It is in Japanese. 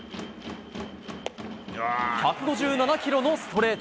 １５７キロのストレート。